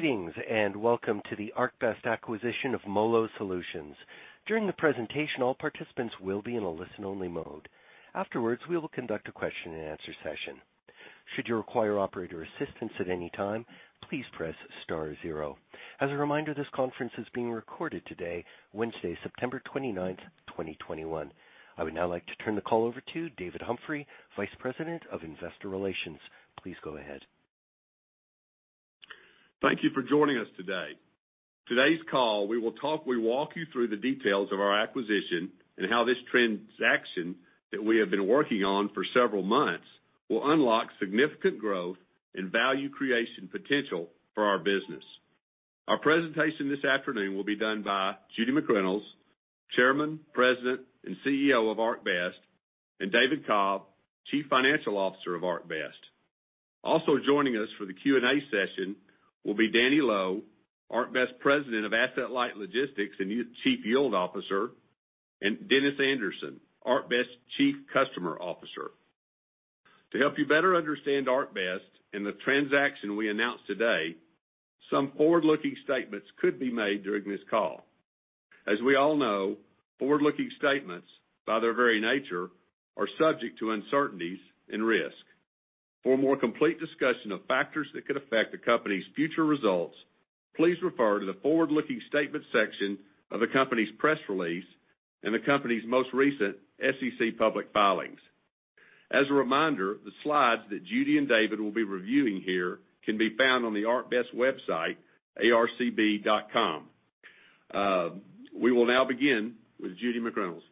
...Greetings, and welcome to the ArcBest acquisition of MoLo Solutions. During the presentation, all participants will be in a listen-only mode. Afterwards, we will conduct a question-and-answer session. Should you require operator assistance at any time, please press star zero. As a reminder, this conference is being recorded today, Wednesday, September 29th, 2021. I would now like to turn the call over to David Humphrey, Vice President of Investor Relations. Please go ahead. Thank you for joining us today. Today's call, we walk you through the details of our acquisition and how this transaction that we have been working on for several months will unlock significant growth and value creation potential for our business. Our presentation this afternoon will be done by Judy McReynolds, Chairman, President, and CEO of ArcBest, and David Cobb, Chief Financial Officer of ArcBest. Also joining us for the Q&A session will be Danny Lowe, ArcBest President of Asset-Light Logistics and Chief Yield Officer, and Dennis Anderson, ArcBest Chief Customer Officer. To help you better understand ArcBest and the transaction we announced today, some forward-looking statements could be made during this call. As we all know, forward-looking statements, by their very nature, are subject to uncertainties and risk. For a more complete discussion of factors that could affect the company's future results, please refer to the Forward-Looking Statement section of the company's press release and the company's most recent SEC public filings. As a reminder, the slides that Judy and David will be reviewing here can be found on the ArcBest website, arcb.com. We will now begin with Judy McReynolds.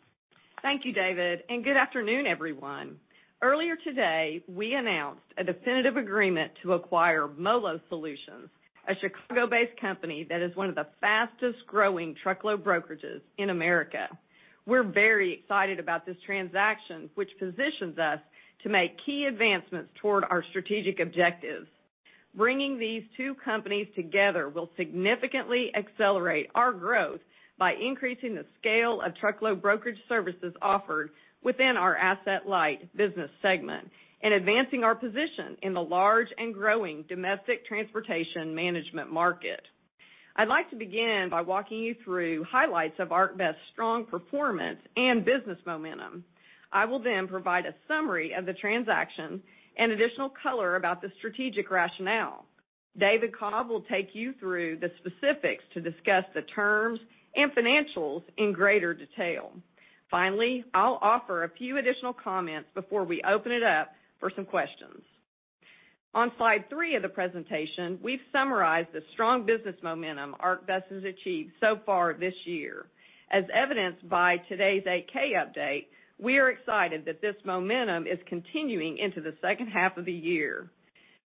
Thank you, David, and good afternoon, everyone. Earlier today, we announced a definitive agreement to acquire MoLo Solutions, a Chicago-based company that is one of the fastest-growing truckload brokerages in America. We're very excited about this transaction, which positions us to make key advancements toward our strategic objectives. Bringing these two companies together will significantly accelerate our growth by increasing the scale of truckload brokerage services offered within our Asset-Light business segment and advancing our position in the large and growing domestic transportation management market. I'd like to begin by walking you through highlights of ArcBest's strong performance and business momentum. I will then provide a summary of the transaction and additional color about the strategic rationale. David Cobb will take you through the specifics to discuss the terms and financials in greater detail. Finally, I'll offer a few additional comments before we open it up for some questions. On slide three of the presentation, we've summarized the strong business momentum ArcBest has achieved so far this year. As evidenced by today's 8-K update, we are excited that this momentum is continuing into the second half of the year.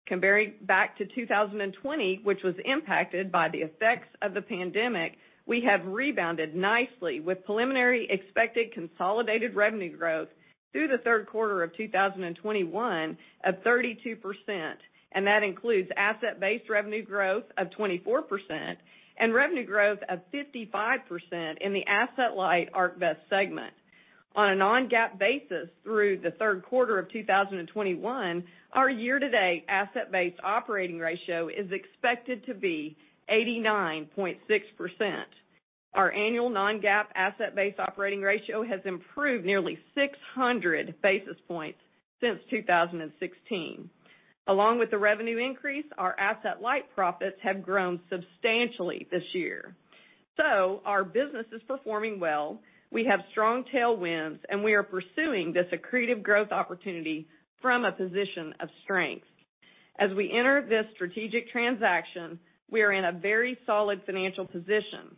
Compared back to 2020, which was impacted by the effects of the pandemic, we have rebounded nicely with preliminary expected consolidated revenue growth through the third quarter of 2021 of 32%, and that includes asset-based revenue growth of 24% and revenue growth of 55% in the Asset Light ArcBest segment. On a non-GAAP basis, through the third quarter of 2021, our year-to-date asset-based operating ratio is expected to be 89.6%. Our annual non-GAAP asset-based operating ratio has improved nearly 600 basis points since 2016. Along with the revenue increase, our asset-light profits have grown substantially this year. So our business is performing well. We have strong tailwinds, and we are pursuing this accretive growth opportunity from a position of strength. As we enter this strategic transaction, we are in a very solid financial position.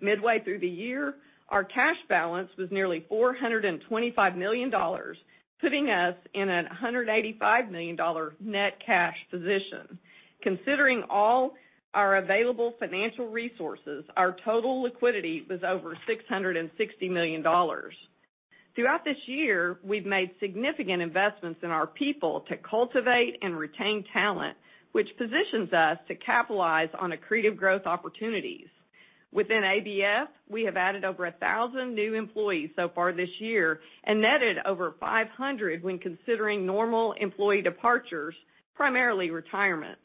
Midway through the year, our cash balance was nearly $425 million, putting us in a $185 million net cash position. Considering all our available financial resources, our total liquidity was over $660 million. Throughout this year, we've made significant investments in our people to cultivate and retain talent, which positions us to capitalize on accretive growth opportunities. Within ABF, we have added over 1,000 new employees so far this year and netted over 500 when considering normal employee departures, primarily retirements.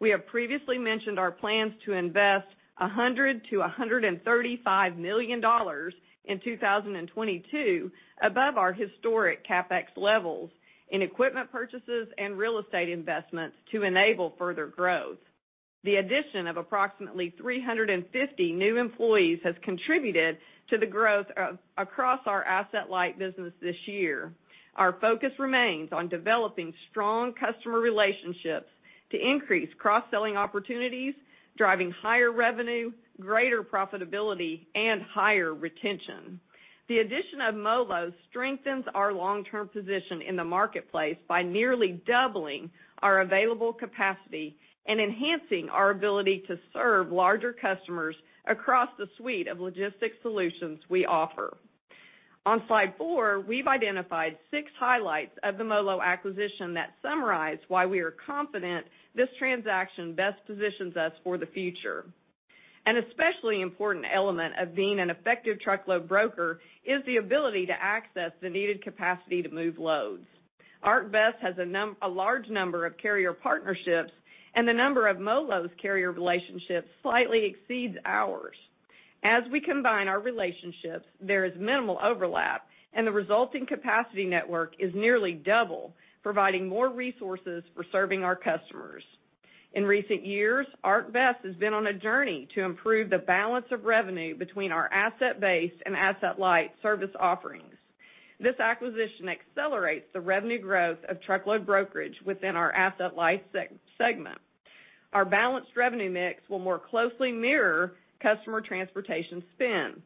We have previously mentioned our plans to invest $100-$135 million in 2022, above our historic CapEx levels in equipment purchases and real estate investments to enable further growth. The addition of approximately 350 new employees has contributed to the growth across our Asset-Light business this year. Our focus remains on developing strong customer relationships to increase cross-selling opportunities, driving higher revenue, greater profitability, and higher retention. The addition of MoLo strengthens our long-term position in the marketplace by nearly doubling our available capacity and enhancing our ability to serve larger customers across the suite of logistics solutions we offer. On slide 4, we've identified 6 highlights of the MoLo acquisition that summarize why we are confident this transaction best positions us for the future.... An especially important element of being an effective truckload broker is the ability to access the needed capacity to move loads. ArcBest has a large number of carrier partnerships, and the number of MoLo's carrier relationships slightly exceeds ours. As we combine our relationships, there is minimal overlap, and the resulting capacity network is nearly double, providing more resources for serving our customers. In recent years, ArcBest has been on a journey to improve the balance of revenue between our asset-based and asset-light service offerings. This acquisition accelerates the revenue growth of truckload brokerage within our asset-light segment. Our balanced revenue mix will more closely mirror customer transportation spend.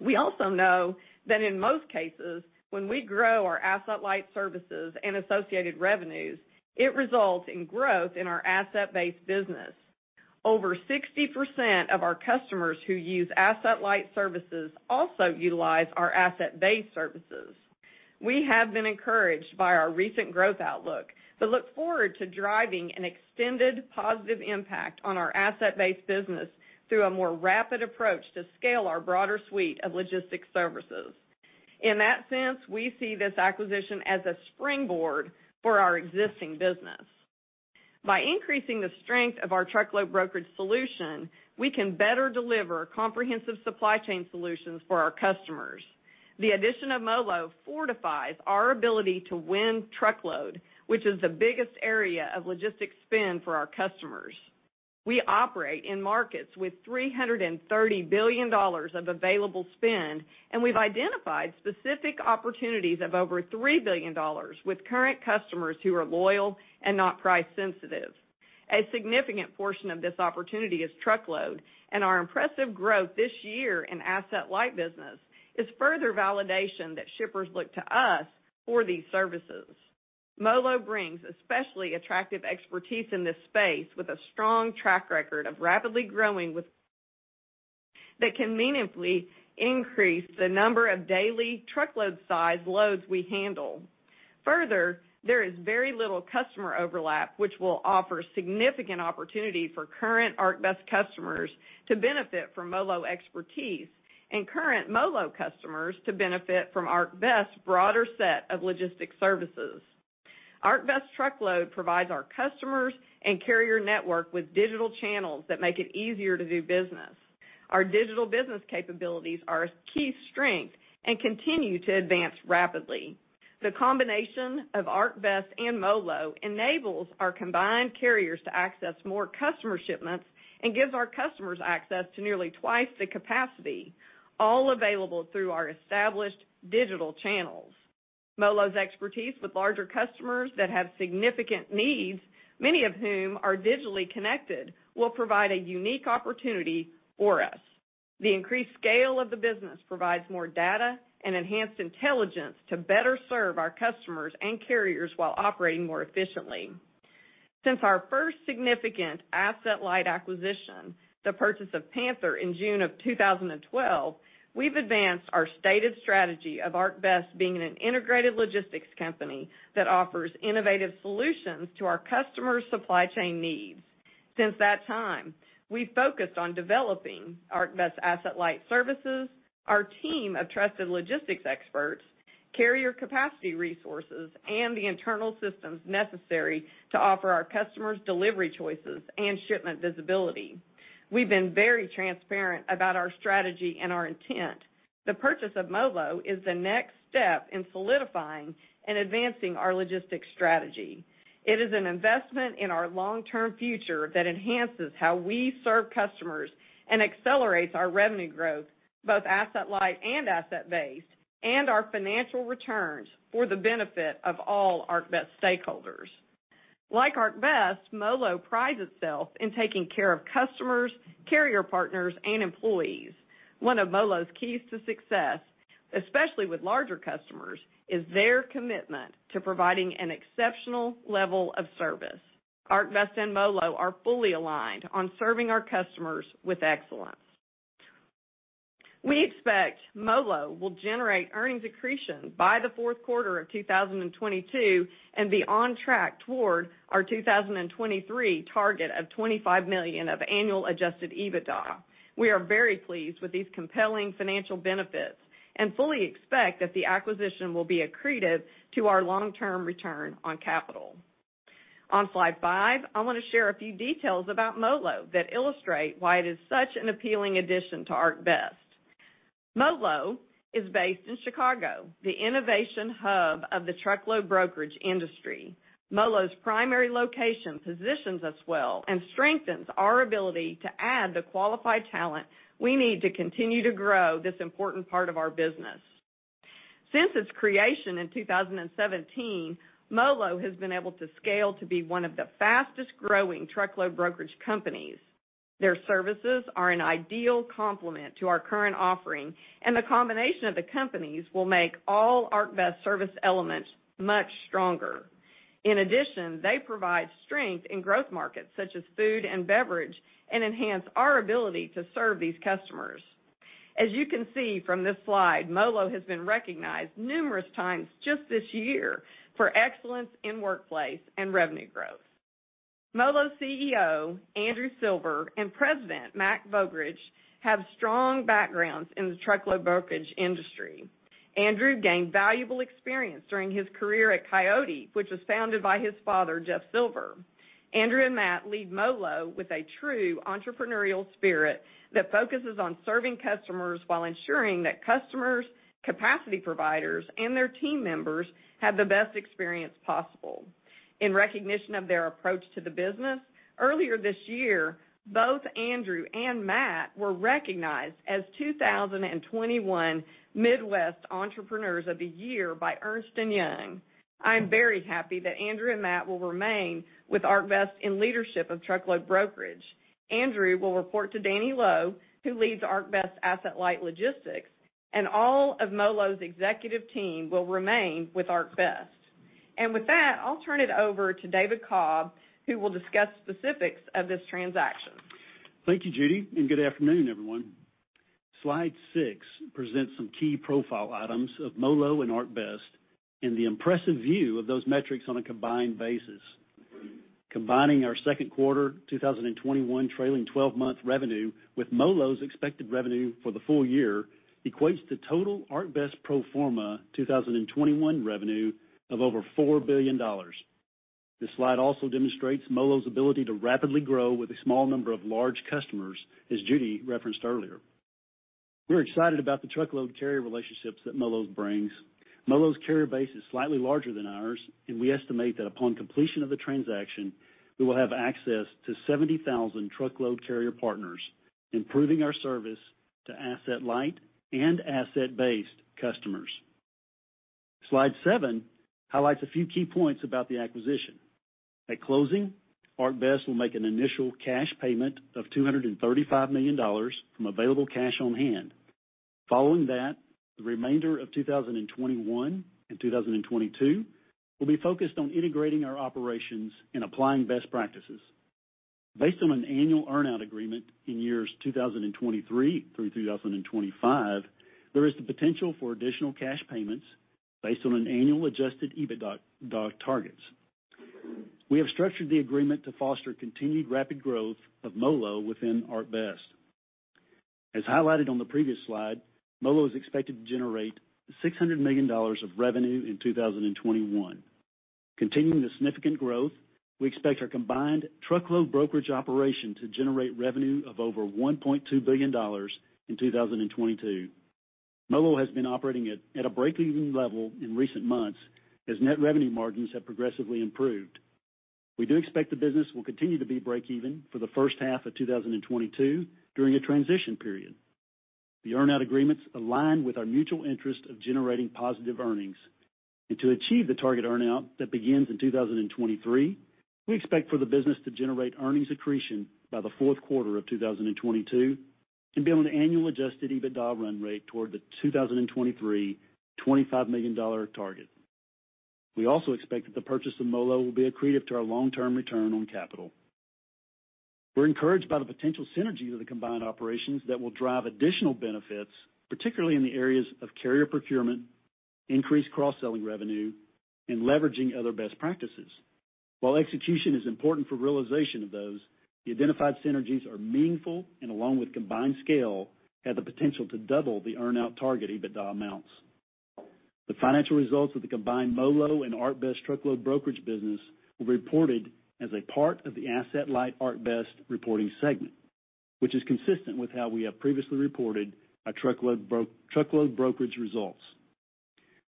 We also know that in most cases, when we grow our asset-light services and associated revenues, it results in growth in our asset-based business. Over 60% of our customers who use asset-light services also utilize our asset-based services. We have been encouraged by our recent growth outlook, but look forward to driving an extended positive impact on our asset-based business through a more rapid approach to scale our broader suite of logistics services. In that sense, we see this acquisition as a springboard for our existing business. By increasing the strength of our truckload brokerage solution, we can better deliver comprehensive supply chain solutions for our customers. The addition of MoLo fortifies our ability to win truckload, which is the biggest area of logistics spend for our customers. We operate in markets with $330 billion of available spend, and we've identified specific opportunities of over $3 billion with current customers who are loyal and not price sensitive. A significant portion of this opportunity is truckload, and our impressive growth this year in asset-light business is further validation that shippers look to us for these services. MoLo brings especially attractive expertise in this space, with a strong track record of rapidly growing, that can meaningfully increase the number of daily truckload-sized loads we handle. Further, there is very little customer overlap, which will offer significant opportunity for current ArcBest customers to benefit from MoLo expertise and current MoLo customers to benefit from ArcBest's broader set of logistics services. ArcBest truckload provides our customers and carrier network with digital channels that make it easier to do business. Our digital business capabilities are a key strength and continue to advance rapidly. The combination of ArcBest and MoLo enables our combined carriers to access more customer shipments and gives our customers access to nearly twice the capacity, all available through our established digital channels. MoLo's expertise with larger customers that have significant needs, many of whom are digitally connected, will provide a unique opportunity for us. The increased scale of the business provides more data and enhanced intelligence to better serve our customers and carriers while operating more efficiently. Since our first significant asset-light acquisition, the purchase of Panther in June of 2012, we've advanced our stated strategy of ArcBest being an integrated logistics company that offers innovative solutions to our customers' supply chain needs. Since that time, we've focused on developing ArcBest asset-light services, our team of trusted logistics experts, carrier capacity resources, and the internal systems necessary to offer our customers delivery choices and shipment visibility. We've been very transparent about our strategy and our intent. The purchase of MoLo is the next step in solidifying and advancing our logistics strategy. It is an investment in our long-term future that enhances how we serve customers and accelerates our revenue growth, both asset-light and asset-based, and our financial returns for the benefit of all ArcBest stakeholders. Like ArcBest, MoLo prides itself in taking care of customers, carrier partners, and employees. One of MoLo's keys to success, especially with larger customers, is their commitment to providing an exceptional level of service. ArcBest and MoLo are fully aligned on serving our customers with excellence. We expect MoLo will generate earnings accretion by the fourth quarter of 2022 and be on track toward our 2023 target of $25 million of annual adjusted EBITDA. We are very pleased with these compelling financial benefits and fully expect that the acquisition will be accretive to our long-term return on capital. On slide five, I want to share a few details about MoLo that illustrate why it is such an appealing addition to ArcBest. MoLo is based in Chicago, the innovation hub of the truckload brokerage industry. MoLo's primary location positions us well and strengthens our ability to add the qualified talent we need to continue to grow this important part of our business. Since its creation in 2017, MoLo has been able to scale to be one of the fastest-growing truckload brokerage companies. Their services are an ideal complement to our current offering, and the combination of the companies will make all ArcBest service elements much stronger. In addition, they provide strength in growth markets such as food and beverage and enhance our ability to serve these customers. As you can see from this slide, MoLo has been recognized numerous times just this year for excellence in workplace and revenue growth. MoLo's CEO, Andrew Silver, and President, Matt Vogrich, have strong backgrounds in the truckload brokerage industry. Andrew gained valuable experience during his career at Coyote, which was founded by his father, Jeff Silver. Andrew and Matt lead MoLo with a true entrepreneurial spirit that focuses on serving customers while ensuring that customers, capacity providers, and their team members have the best experience possible. In recognition of their approach to the business, earlier this year, both Andrew and Matt were recognized as 2021 Midwest Entrepreneurs of the Year by Ernst & Young. I'm very happy that Andrew and Matt will remain with ArcBest in leadership of truckload brokerage. Andrew will report to Danny Loe, who leads ArcBest Asset-Light Logistics, and all of MOLO's executive team will remain with ArcBest. With that, I'll turn it over to David Cobb, who will discuss specifics of this transaction. Thank you, Judy, and good afternoon, everyone. Slide 6 presents some key profile items of MoLo and ArcBest and the impressive view of those metrics on a combined basis. Combining our second quarter 2021 trailing twelve-month revenue with MoLo's expected revenue for the full year equates to total ArcBest pro forma 2021 revenue of over $4 billion. This slide also demonstrates MoLo's ability to rapidly grow with a small number of large customers, as Judy referenced earlier. We're excited about the truckload carrier relationships that MoLo brings. MoLo's carrier base is slightly larger than ours, and we estimate that upon completion of the transaction, we will have access to 70,000 truckload carrier partners, improving our service to asset-light and asset-based customers. Slide 7 highlights a few key points about the acquisition. At closing, ArcBest will make an initial cash payment of $235 million from available cash on hand. Following that, the remainder of 2021 and 2022 will be focused on integrating our operations and applying best practices. Based on an annual earn-out agreement in years 2023 through 2025, there is the potential for additional cash payments based on annual Adjusted EBITDA targets. We have structured the agreement to foster continued rapid growth of MoLo within ArcBest. As highlighted on the previous slide, MoLo is expected to generate $600 million of revenue in 2021. Continuing the significant growth, we expect our combined truckload brokerage operation to generate revenue of over $1.2 billion in 2022. MoLo has been operating at a break-even level in recent months as net revenue margins have progressively improved. We do expect the business will continue to be break-even for the first half of 2022 during a transition period. The earn-out agreements align with our mutual interest of generating positive earnings. And to achieve the target earn-out that begins in 2023, we expect for the business to generate earnings accretion by the fourth quarter of 2022 and be on an annual adjusted EBITDA run rate toward the 2023, $25 million target. We also expect that the purchase of MoLo will be accretive to our long-term return on capital. We're encouraged by the potential synergy of the combined operations that will drive additional benefits, particularly in the areas of carrier procurement, increased cross-selling revenue, and leveraging other best practices. While execution is important for realization of those, the identified synergies are meaningful, and along with combined scale, have the potential to double the earn-out target EBITDA amounts. The financial results of the combined MoLo and ArcBest truckload brokerage business will be reported as a part of the asset-light ArcBest reporting segment, which is consistent with how we have previously reported our truckload brokerage results.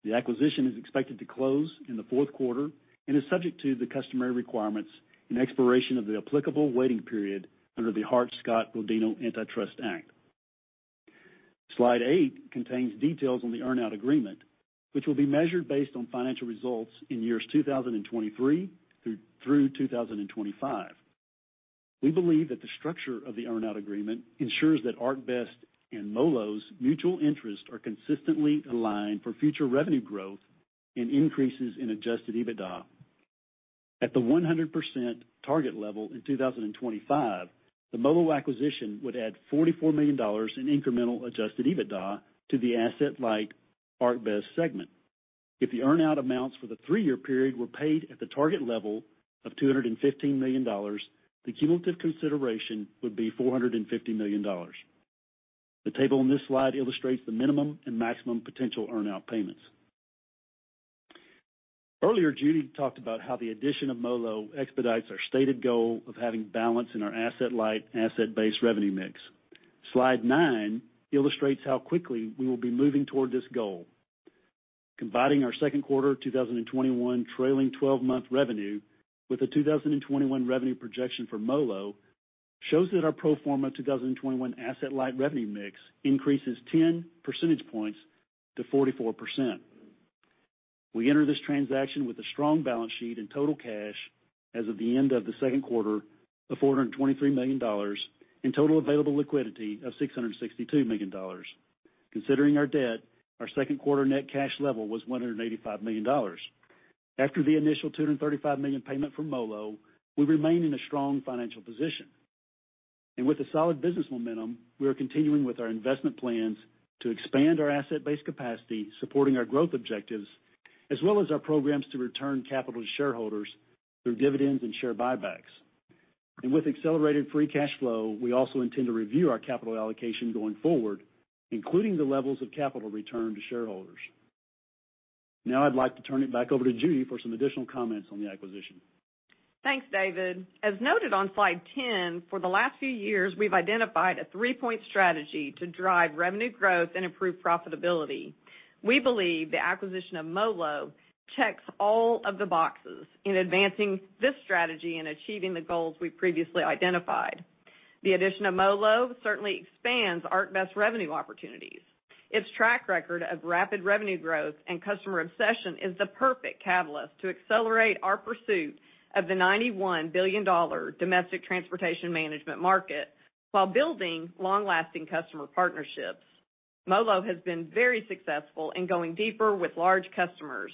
The acquisition is expected to close in the fourth quarter and is subject to the customary requirements and expiration of the applicable waiting period under the Hart-Scott-Rodino Antitrust Act. Slide 8 contains details on the earn-out agreement, which will be measured based on financial results in years 2023 through 2025. We believe that the structure of the earn-out agreement ensures that ArcBest and MoLo's mutual interests are consistently aligned for future revenue growth and increases in Adjusted EBITDA. At the 100% target level in 2025, the MoLo acquisition would add $44 million in incremental Adjusted EBITDA to the asset-light ArcBest segment. If the earn-out amounts for the three-year period were paid at the target level of $215 million, the cumulative consideration would be $450 million. The table on this slide illustrates the minimum and maximum potential earn-out payments. Earlier, Judy talked about how the addition of MoLo expedites our stated goal of having balance in our asset-light and asset-based revenue mix. Slide 9 illustrates how quickly we will be moving toward this goal. Combining our second quarter 2021 trailing twelve-month revenue with the 2021 revenue projection for MoLo shows that our pro forma 2021 asset-light revenue mix increases 10 percentage points to 44%. We enter this transaction with a strong balance sheet and total cash as of the end of the second quarter of $423 million and total available liquidity of $662 million. Considering our debt, our second quarter net cash level was $185 million. After the initial $235 million payment from MoLo, we remain in a strong financial position. With a solid business momentum, we are continuing with our investment plans to expand our asset-based capacity, supporting our growth objectives, as well as our programs to return capital to shareholders through dividends and share buybacks. With accelerated free cash flow, we also intend to review our capital allocation going forward, including the levels of capital return to shareholders. Now I'd like to turn it back over to Judy for some additional comments on the acquisition. Thanks, David. As noted on slide 10, for the last few years, we've identified a three-point strategy to drive revenue growth and improve profitability. We believe the acquisition of MoLo checks all of the boxes in advancing this strategy and achieving the goals we previously identified. The addition of MoLo certainly expands ArcBest revenue opportunities. Its track record of rapid revenue growth and customer obsession is the perfect catalyst to accelerate our pursuit of the $91 billion domestic transportation management market, while building long-lasting customer partnerships. MoLo has been very successful in going deeper with large customers.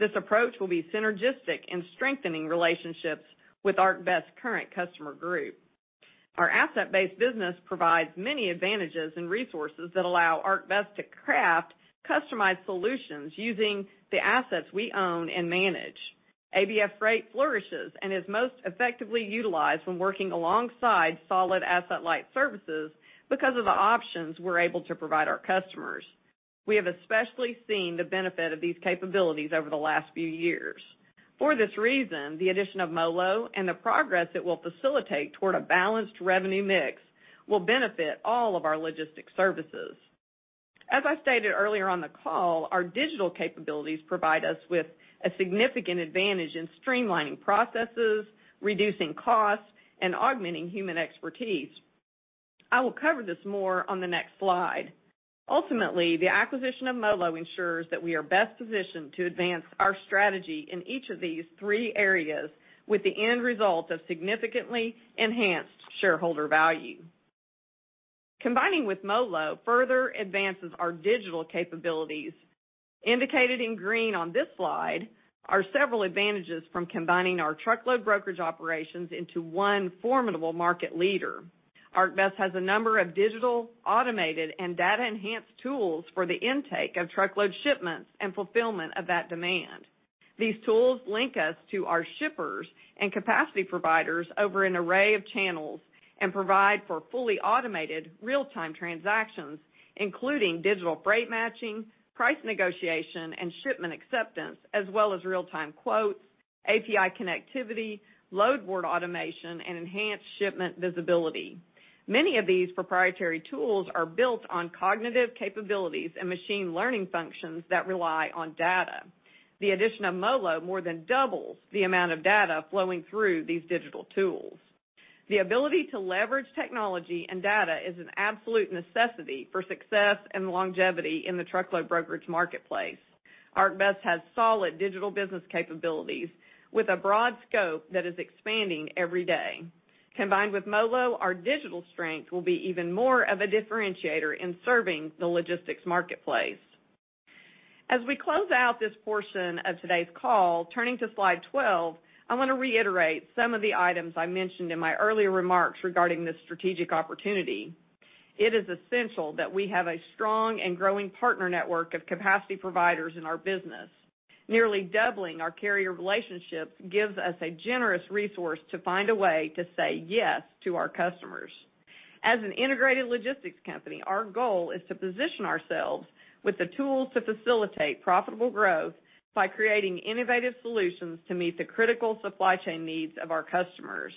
This approach will be synergistic in strengthening relationships with ArcBest current customer group. Our asset-based business provides many advantages and resources that allow ArcBest to craft customized solutions using the assets we own and manage. ABF Freight flourishes and is most effectively utilized when working alongside solid asset-light services because of the options we're able to provide our customers. We have especially seen the benefit of these capabilities over the last few years. For this reason, the addition of MoLo and the progress it will facilitate toward a balanced revenue mix will benefit all of our logistics services. As I stated earlier on the call, our digital capabilities provide us with a significant advantage in streamlining processes, reducing costs, and augmenting human expertise. I will cover this more on the next slide. Ultimately, the acquisition of MoLo ensures that we are best positioned to advance our strategy in each of these three areas, with the end result of significantly enhanced shareholder value. Combining with MoLo further advances our digital capabilities. Indicated in green on this slide are several advantages from combining our truckload brokerage operations into one formidable market leader. ArcBest has a number of digital, automated, and data-enhanced tools for the intake of truckload shipments and fulfillment of that demand. These tools link us to our shippers and capacity providers over an array of channels and provide for fully automated real-time transactions, including digital freight matching, price negotiation, and shipment acceptance, as well as real-time quotes, API connectivity, load board automation, and enhanced shipment visibility. Many of these proprietary tools are built on cognitive capabilities and machine learning functions that rely on data. The addition of MoLo more than doubles the amount of data flowing through these digital tools. The ability to leverage technology and data is an absolute necessity for success and longevity in the truckload brokerage marketplace. ArcBest has solid digital business capabilities with a broad scope that is expanding every day. Combined with MoLo, our digital strength will be even more of a differentiator in serving the logistics marketplace. As we close out this portion of today's call, turning to slide 12, I want to reiterate some of the items I mentioned in my earlier remarks regarding this strategic opportunity. It is essential that we have a strong and growing partner network of capacity providers in our business. Nearly doubling our carrier relationships gives us a generous resource to find a way to say yes to our customers. As an integrated logistics company, our goal is to position ourselves with the tools to facilitate profitable growth by creating innovative solutions to meet the critical supply chain needs of our customers.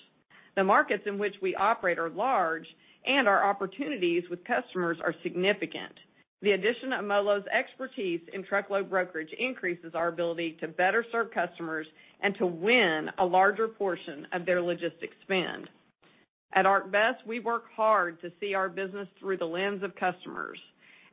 The markets in which we operate are large, and our opportunities with customers are significant. The addition of MoLo's expertise in truckload brokerage increases our ability to better serve customers and to win a larger portion of their logistics spend. At ArcBest, we work hard to see our business through the lens of customers.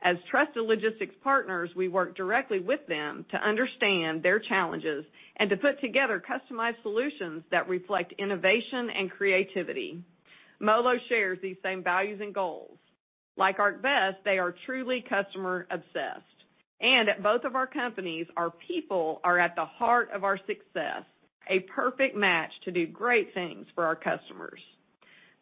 As trusted logistics partners, we work directly with them to understand their challenges and to put together customized solutions that reflect innovation and creativity. MoLo shares these same values and goals. Like ArcBest, they are truly customer-obsessed, and at both of our companies, our people are at the heart of our success, a perfect match to do great things for our customers.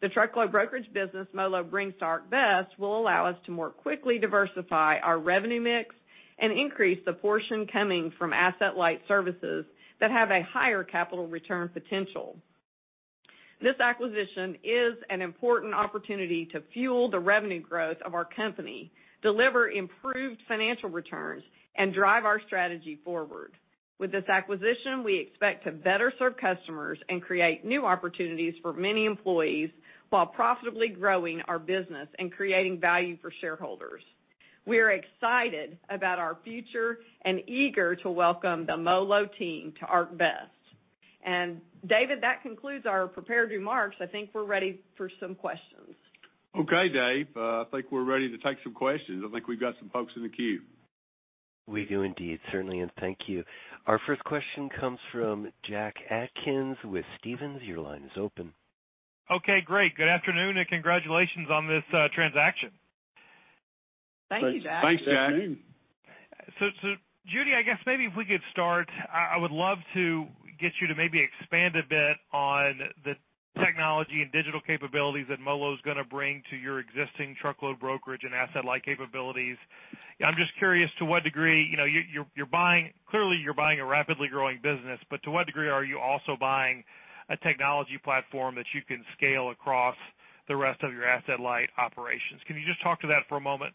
The truckload brokerage business MoLo brings to ArcBest will allow us to more quickly diversify our revenue mix and increase the portion coming from asset-light services that have a higher capital return potential. This acquisition is an important opportunity to fuel the revenue growth of our company, deliver improved financial returns, and drive our strategy forward. With this acquisition, we expect to better serve customers and create new opportunities for many employees, while profitably growing our business and creating value for shareholders. We are excited about our future and eager to welcome the MoLo team to ArcBest. And David, that concludes our prepared remarks. I think we're ready for some questions. Okay, Dave, I think we're ready to take some questions. I think we've got some folks in the queue. We do indeed. Certainly, and thank you. Our first question comes from Jack Atkins with Stephens. Your line is open. Okay, great. Good afternoon, and congratulations on this transaction.... Thank you, Jack. Thanks, Jack. So, Judy, I guess maybe if we could start, I would love to get you to maybe expand a bit on the technology and digital capabilities that MoLo is gonna bring to your existing truckload brokerage and asset-light capabilities. I'm just curious to what degree, you know, you're buying—clearly, you're buying a rapidly growing business, but to what degree are you also buying a technology platform that you can scale across the rest of your asset-light operations? Can you just talk to that for a moment?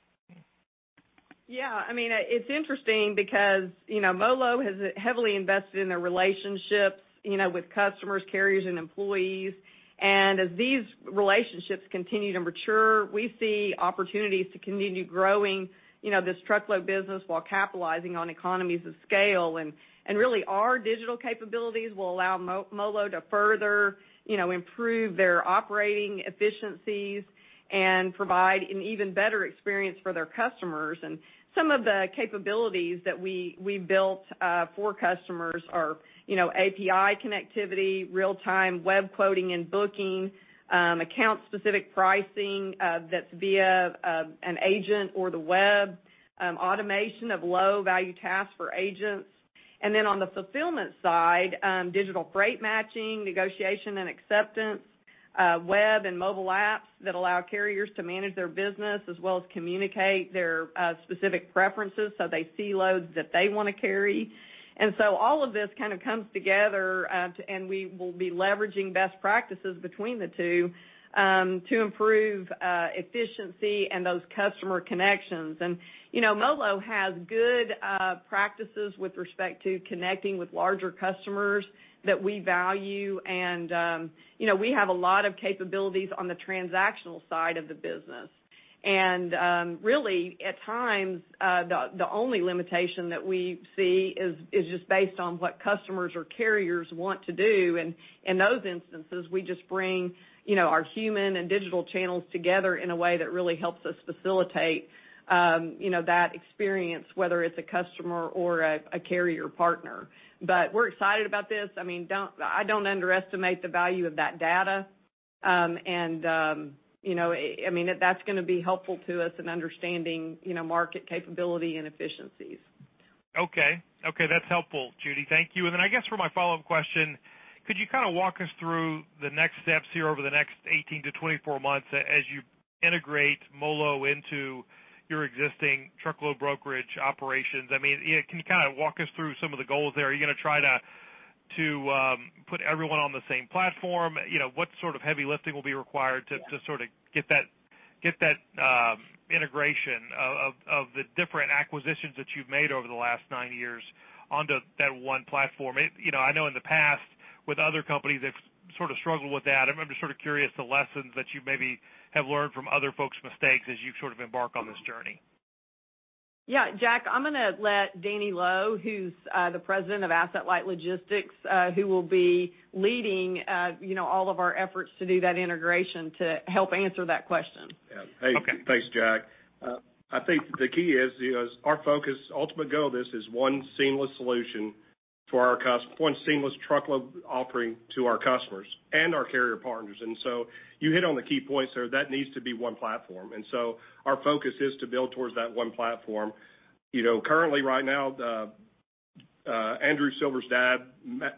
Yeah, I mean, it's interesting because, you know, MoLo has heavily invested in their relationships, you know, with customers, carriers, and employees. And as these relationships continue to mature, we see opportunities to continue growing, you know, this truckload business while capitalizing on economies of scale. And really, our digital capabilities will allow MoLo to further, you know, improve their operating efficiencies and provide an even better experience for their customers. And some of the capabilities that we built for customers are, you know, API connectivity, real-time web quoting and booking, account-specific pricing, that's via an agent or the web, automation of low-value tasks for agents. And then on the fulfillment side, digital freight matching, negotiation and acceptance, web and mobile apps that allow carriers to manage their business as well as communicate their specific preferences so they see loads that they wanna carry. And so all of this kind of comes together, and we will be leveraging best practices between the two to improve efficiency and those customer connections. And, you know, MoLo has good practices with respect to connecting with larger customers that we value, and, you know, we have a lot of capabilities on the transactional side of the business. And, really, at times, the only limitation that we see is just based on what customers or carriers want to do. And in those instances, we just bring, you know, our human and digital channels together in a way that really helps us facilitate, you know, that experience, whether it's a customer or a carrier partner. But we're excited about this. I mean, I don't underestimate the value of that data. And you know, I mean, that's gonna be helpful to us in understanding, you know, market capability and efficiencies. Okay. Okay, that's helpful, Judy. Thank you. And then I guess for my follow-up question, could you kind of walk us through the next steps here over the next 18-24 months as you integrate MoLo into your existing truckload brokerage operations? I mean, yeah, can you kind of walk us through some of the goals there? Are you gonna try to put everyone on the same platform? You know, what sort of heavy lifting will be required to sort of get that integration of the different acquisitions that you've made over the last 9 years onto that one platform? You know, I know in the past, with other companies, they've sort of struggled with that. I'm just sort of curious the lessons that you maybe have learned from other folks' mistakes as you sort of embark on this journey. Yeah, Jack, I'm gonna let Danny Lowe, who's the President of Asset-Light Logistics, who will be leading, you know, all of our efforts to do that integration, to help answer that question. Yeah. Okay. Hey, thanks, Jack. I think the key is, you know, is our focus, ultimate goal of this is one seamless truckload offering to our customers and our carrier partners. And so you hit on the key points there. That needs to be one platform, and so our focus is to build towards that one platform. You know, currently, right now, Andrew Silver's dad,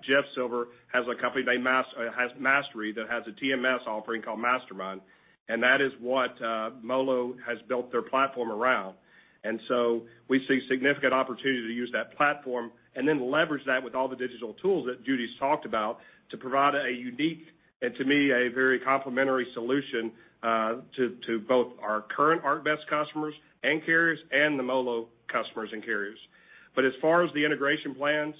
Jeff Silver, has a company named Mastery that has a TMS offering called MasterMind, and that is what MoLo has built their platform around. And so we see significant opportunity to use that platform and then leverage that with all the digital tools that Judy's talked about to provide a unique and, to me, a very complementary solution to both our current ArcBest customers and carriers and the MoLo customers and carriers. But as far as the integration plans,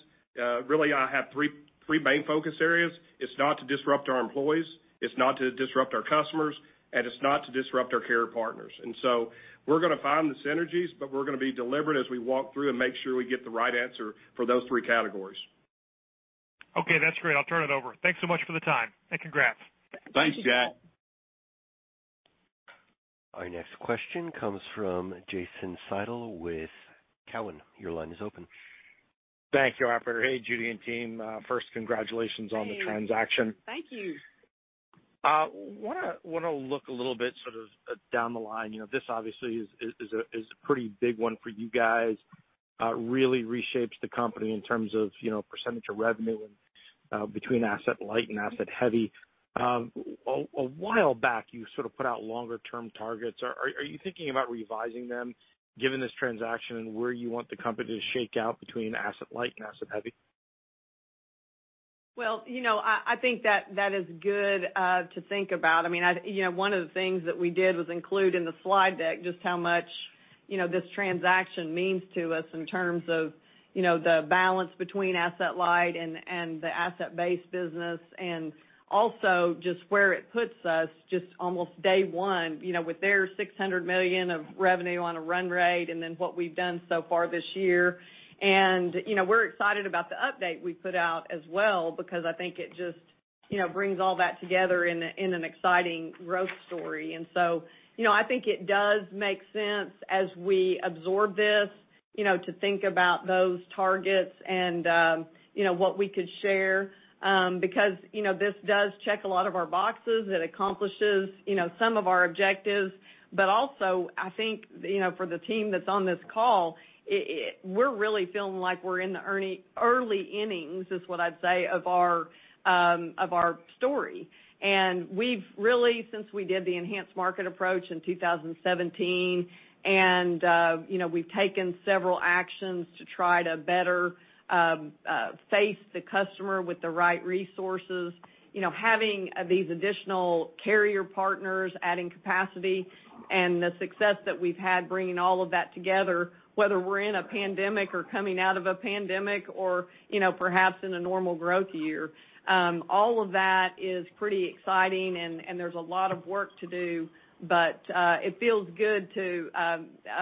really, I have three, three main focus areas. It's not to disrupt our employees, it's not to disrupt our customers, and it's not to disrupt our carrier partners. And so we're gonna find the synergies, but we're gonna be deliberate as we walk through and make sure we get the right answer for those three categories. Okay, that's great. I'll turn it over. Thanks so much for the time, and congrats. Thank you. Thanks, Jack. Our next question comes from Jason Seidl with Cowen. Your line is open. Thank you, operator. Hey, Judy and team, first, congratulations on the transaction. Thank you. Wanna look a little bit sort of down the line. You know, this obviously is a pretty big one for you guys. Really reshapes the company in terms of, you know, percentage of revenue and between asset-light and asset-heavy. A while back, you sort of put out longer-term targets. Are you thinking about revising them given this transaction and where you want the company to shake out between asset-light and asset-heavy? Well, you know, I think that is good to think about. I mean, you know, one of the things that we did was include in the slide deck just how much, you know, this transaction means to us in terms of, you know, the balance between asset-light and the asset-based business, and also just where it puts us just almost day one, you know, with their $600 million of revenue on a run rate and then what we've done so far this year. And, you know, we're excited about the update we put out as well because I think it just, you know, brings all that together in an exciting growth story. And so, you know, I think it does make sense as we absorb this. You know, to think about those targets and, you know, what we could share, because, you know, this does check a lot of our boxes. It accomplishes, you know, some of our objectives. But also, I think, you know, for the team that's on this call, it, we're really feeling like we're in the early innings, is what I'd say, of our, of our story. And we've really, since we did the enhanced market approach in 2017, and, you know, we've taken several actions to try to better, face the customer with the right resources. You know, having these additional carrier partners, adding capacity, and the success that we've had, bringing all of that together, whether we're in a pandemic or coming out of a pandemic or, you know, perhaps in a normal growth year, all of that is pretty exciting, and, and there's a lot of work to do. But, it feels good to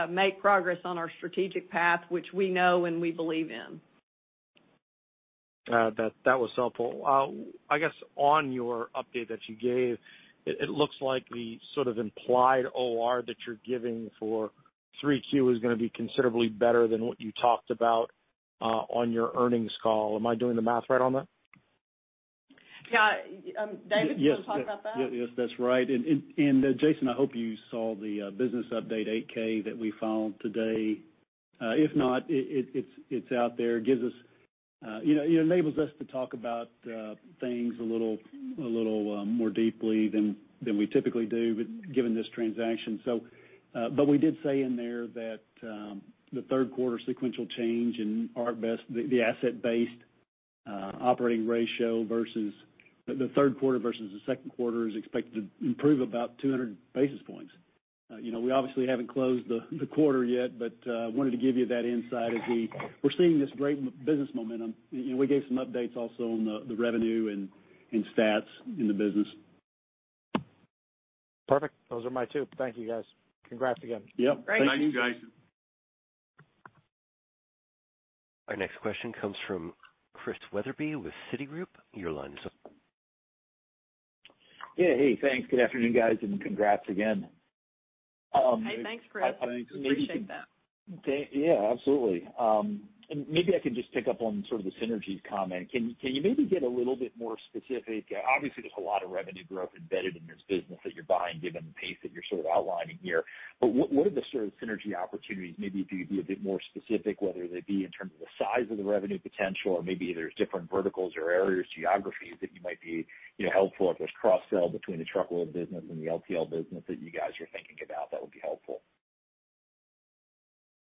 make progress on our strategic path, which we know and we believe in. That was helpful. I guess, on your update that you gave, it looks like the sort of implied OR that you're giving for 3Q is gonna be considerably better than what you talked about on your earnings call. Am I doing the math right on that? Yeah. David, you want to talk about that? Yes, yes, that's right. And Jason, I hope you saw the business update, 8-K, that we filed today. If not, it's out there. It gives us, you know, it enables us to talk about things a little more deeply than we typically do, but given this transaction. So, but we did say in there that the third quarter sequential change in ArcBest, the asset-based operating ratio versus the second quarter is expected to improve about 200 basis points. You know, we obviously haven't closed the quarter yet, but wanted to give you that insight as we're seeing this great business momentum, and we gave some updates also on the revenue and stats in the business. Perfect. Those are my two. Thank you, guys. Congrats again. Yep. Great. Thank you, Jason. Our next question comes from Chris Wetherbee with Citigroup. Your line is open. Yeah, hey, thanks. Good afternoon, guys, and congrats again. Hey, thanks, Chris. Thanks. Appreciate that. Okay, yeah, absolutely. And maybe I can just pick up on sort of the synergies comment. Can you maybe get a little bit more specific? Obviously, there's a lot of revenue growth embedded in this business that you're buying, given the pace that you're sort of outlining here. But what are the sort of synergy opportunities? Maybe if you could be a bit more specific, whether they be in terms of the size of the revenue potential, or maybe there's different verticals or areas, geographies that you might be, you know, helpful. If there's cross-sell between the truckload business and the LTL business that you guys are thinking about, that would be helpful.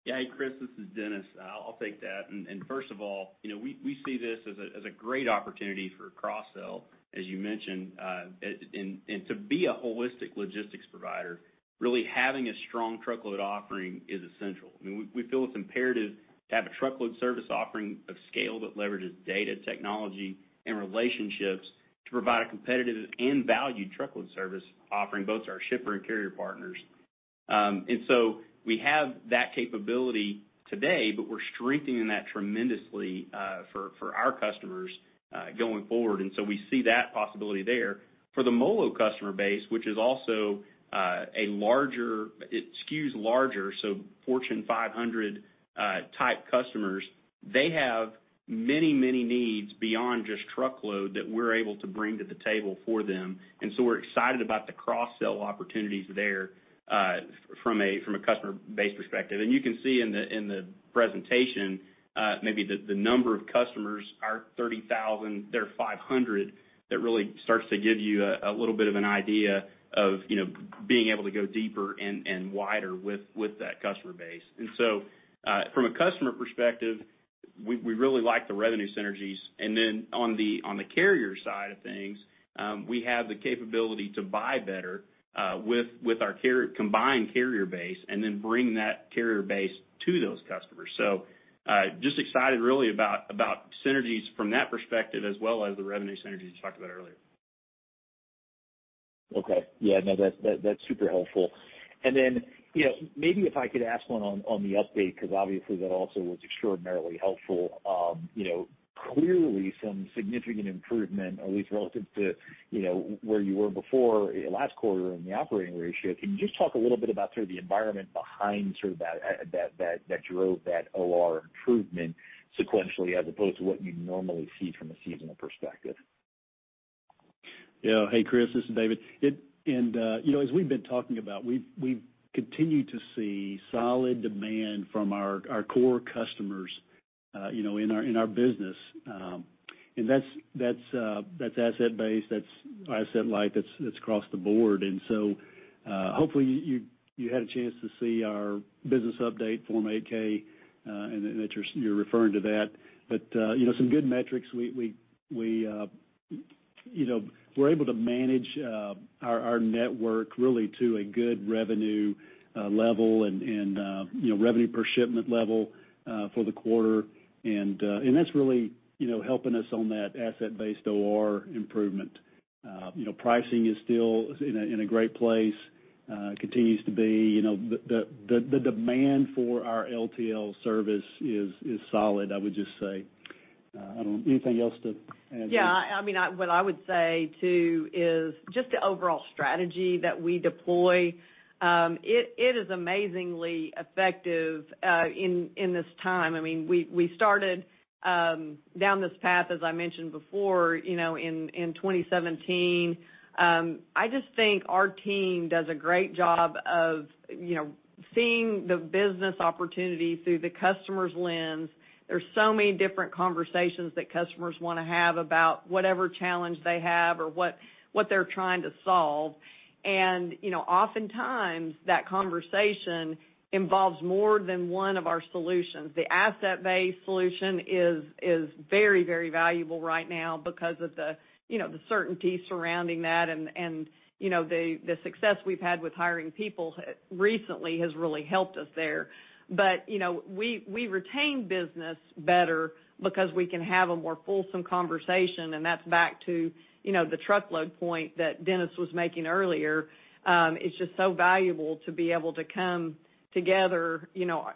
Yeah. Hey, Chris, this is Dennis. I'll take that. And first of all, you know, we see this as a great opportunity for cross-sell, as you mentioned. And to be a holistic logistics provider, really having a strong truckload offering is essential. I mean, we feel it's imperative to have a truckload service offering of scale that leverages data technology and relationships to provide a competitive and valued truckload service, offering both to our shipper and carrier partners. And so we have that capability today, but we're strengthening that tremendously, for our customers, going forward, and so we see that possibility there. For the MoLo customer base, which is also a larger... It skews larger, so Fortune 500 type customers. They have many, many needs beyond just truckload that we're able to bring to the table for them, and so we're excited about the cross-sell opportunities there, from a customer base perspective. And you can see in the presentation, maybe the number of customers are 30,000, they're 500. That really starts to give you a little bit of an idea of, you know, being able to go deeper and wider with that customer base. And so, from a customer perspective, we really like the revenue synergies. And then on the carrier side of things, we have the capability to buy better, with our combined carrier base and then bring that carrier base to those customers. Just excited really about, about synergies from that perspective, as well as the revenue synergies we talked about earlier. Okay. Yeah, no, that, that's super helpful. And then, you know, maybe if I could ask one on, on the update, because obviously that also was extraordinarily helpful. You know, clearly, some significant improvement, at least relative to, you know, where you were before last quarter in the operating ratio. Can you just talk a little bit about sort of the environment behind sort of that that drove that OR improvement sequentially, as opposed to what you normally see from a seasonal perspective? Yeah. Hey, Chris, this is David. You know, as we've been talking about, we've continued to see solid demand from our core customers, you know, in our business. And that's asset-based, that's asset-light, that's across the board. And so, hopefully, you had a chance to see our business update, Form 8-K, and that you're referring to that. But, you know, some good metrics, we, you know, we're able to manage our network really to a good revenue level and, you know, revenue per shipment level for the quarter. And that's really, you know, helping us on that asset-based OR improvement. You know, pricing is still in a great place, continues to be. You know, the demand for our LTL service is solid, I would just say.... I don't, anything else to add? Yeah, I mean, what I would say, too, is just the overall strategy that we deploy. It is amazingly effective in this time. I mean, we started down this path, as I mentioned before, you know, in 2017. I just think our team does a great job of, you know, seeing the business opportunity through the customer's lens. There's so many different conversations that customers want to have about whatever challenge they have or what they're trying to solve. And, you know, oftentimes, that conversation involves more than one of our solutions. The asset-based solution is very valuable right now because of the certainty surrounding that. And, you know, the success we've had with hiring people recently has really helped us there. But, you know, we, we retain business better because we can have a more fulsome conversation, and that's back to, you know, the truckload point that Dennis was making earlier. It's just so valuable to be able to come together, you know,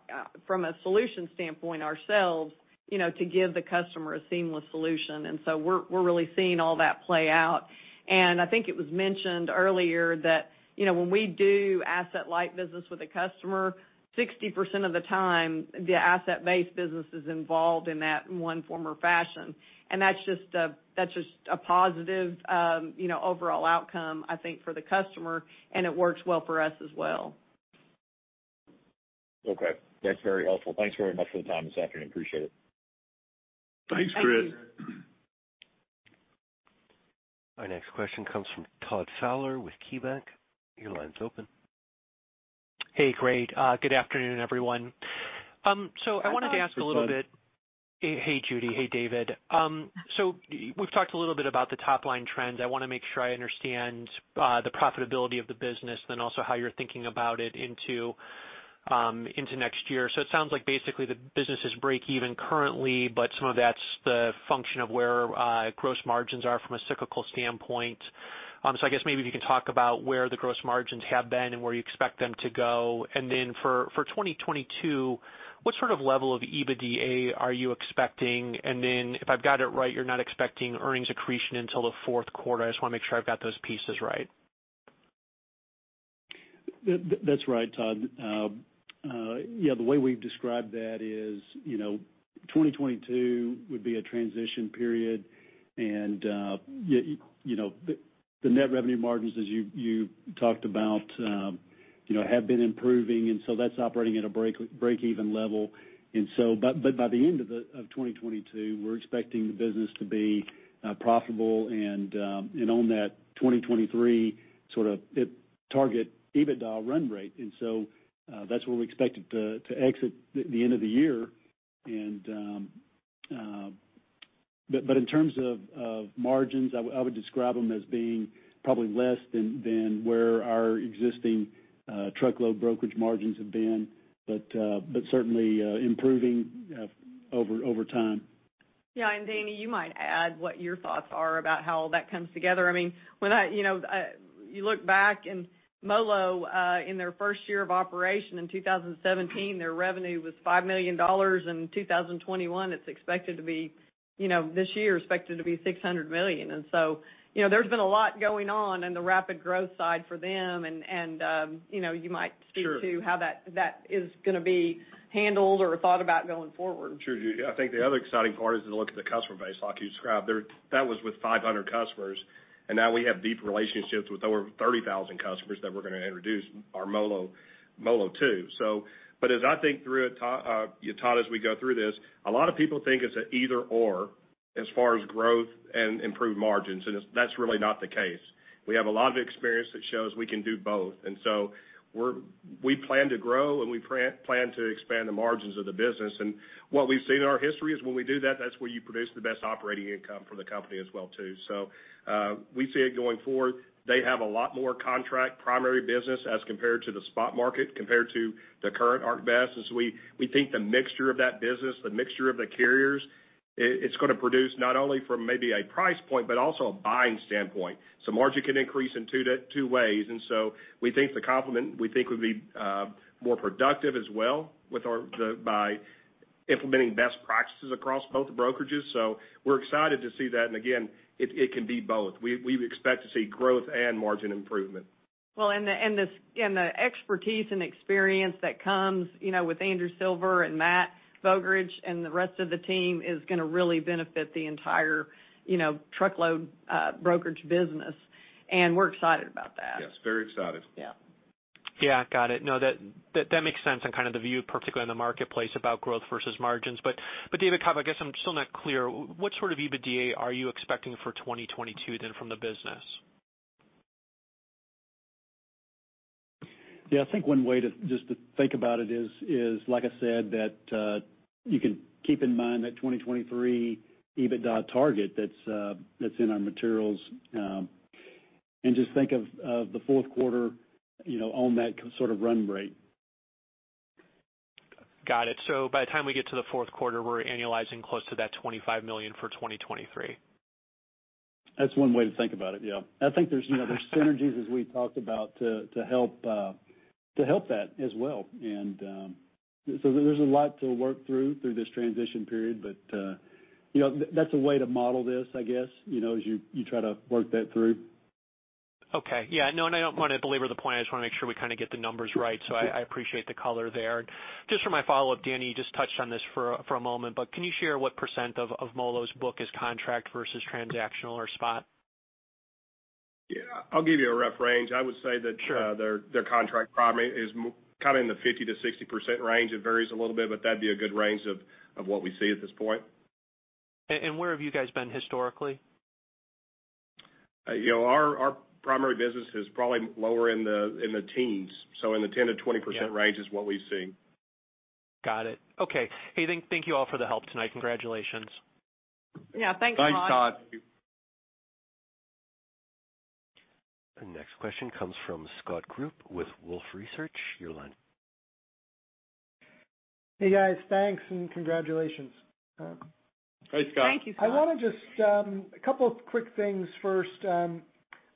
from a solution standpoint ourselves, you know, to give the customer a seamless solution. And so we're, we're really seeing all that play out. And I think it was mentioned earlier that, you know, when we do asset-light business with a customer, 60% of the time, the asset-based business is involved in that in one form or fashion. And that's just a, that's just a positive, you know, overall outcome, I think, for the customer, and it works well for us as well. Okay, that's very helpful. Thanks very much for the time this afternoon. Appreciate it. Thanks, Chris. Thank you. Our next question comes from Todd Fowler with KeyBanc. Your line's open. Hey, great. Good afternoon, everyone. So I wanted to ask a little bit- Hey, Todd. Hey, Judy. Hey, David. So we've talked a little bit about the top-line trends. I want to make sure I understand, the profitability of the business, then also how you're thinking about it into, into next year. So it sounds like basically the business is breakeven currently, but some of that's the function of where, gross margins are from a cyclical standpoint. So I guess maybe if you can talk about where the gross margins have been and where you expect them to go. And then for, for 2022, what sort of level of EBITDA are you expecting? And then, if I've got it right, you're not expecting earnings accretion until the fourth quarter. I just want to make sure I've got those pieces right. That's right, Todd. Yeah, the way we've described that is, you know, 2022 would be a transition period, and, you know, the net revenue margins, as you talked about, you know, have been improving, and so that's operating at a breakeven level. But by the end of 2022, we're expecting the business to be profitable and on that 2023 target EBITDA run rate. So that's where we expect it to exit the end of the year. But in terms of margins, I would describe them as being probably less than where our existing truckload brokerage margins have been, but certainly improving over time. Yeah, and Danny, you might add what your thoughts are about how all that comes together. I mean, when I, you know, you look back and MoLo, in their first year of operation in 2017, their revenue was $5 million. In 2021, it's expected to be, you know, this year, expected to be $600 million. And so, you know, there's been a lot going on in the rapid growth side for them, and, and, you know, you might- Sure... speak to how that, that is going to be handled or thought about going forward. Sure, Judy. I think the other exciting part is to look at the customer base, like you described. That was with 500 customers, and now we have deep relationships with over 30,000 customers that we're going to introduce our MoLo to. So, but as I think through it, Todd, as we go through this, a lot of people think it's an either/or as far as growth and improved margins, and that's really not the case. We have a lot of experience that shows we can do both, and so we plan to grow, and we plan to expand the margins of the business. And what we've seen in our history is when we do that, that's where you produce the best operating income for the company as well, too. So, we see it going forward. They have a lot more contract primary business as compared to the spot market, compared to the current ArcBest. As we think the mixture of that business, the mixture of the carriers, it's going to produce not only from maybe a price point, but also a buying standpoint. So margin can increase in two to two ways, and so we think the complement, we think, would be more productive as well by implementing best practices across both brokerages. So we're excited to see that. And again, it can be both. We expect to see growth and margin improvement. Well, and the expertise and experience that comes, you know, with Andrew Silver and Matt Vogrich, and the rest of the team, is going to really benefit the entire, you know, truckload brokerage business, and we're excited about that. Yes, very excited. Yeah. Yeah, got it. No, that makes sense and kind of the view, particularly in the marketplace, about growth versus margins. But David Cobb, I guess I'm still not clear, what sort of EBITDA are you expecting for 2022 then from the business? Yeah, I think one way to think about it is, like I said, you can keep in mind that 2023 EBITDA target that's in our materials, and just think of the fourth quarter, you know, on that sort of run rate. Got it. So by the time we get to the fourth quarter, we're annualizing close to that $25 million for 2023?... That's one way to think about it, yeah. I think there's, you know, there's synergies, as we talked about, to help that as well. And, so there's a lot to work through this transition period, but, you know, that's a way to model this, I guess, you know, as you try to work that through. Okay. Yeah, no, and I don't want to belabor the point. I just want to make sure we kind of get the numbers right. So I appreciate the color there. Just for my follow-up, Danny, you just touched on this for a moment, but can you share what % of MoLo's book is contract versus transactional or spot? Yeah, I'll give you a rough range. I would say that- Sure. Their contract primary is more kind of in the 50%-60% range. It varies a little bit, but that'd be a good range of what we see at this point. Where have you guys been historically? you know, our primary business is probably lower in the teens, so in the 10%-20% range- Yeah is what we see. Got it. Okay. Hey, thank you all for the help tonight. Congratulations. Yeah, thanks a lot. Thanks, Todd. The next question comes from Scott Group with Wolfe Research. Your line. Hey, guys. Thanks, and congratulations. Hi, Scott. Thank you, Scott. I want to just a couple of quick things first.